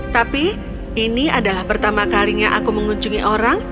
tapi ini adalah pertama kalinya aku mengunjungi orang